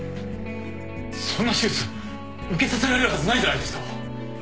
そんな手術受けさせられるはずないじゃないですか